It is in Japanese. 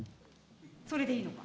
それでいいのか。